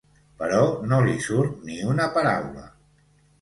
Però no li surt ni una paraula.